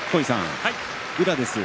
宇良です。